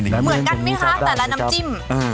เหมือนกันไหมคะแต่ละน้ำจิ้ม